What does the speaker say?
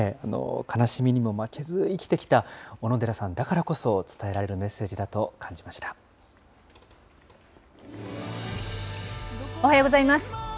悲しみにも負けず生きてきた小野寺さんだからこそ伝えられるメッおはようございます。